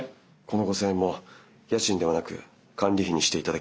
この５，０００円も家賃ではなく管理費にしていただけるそうです。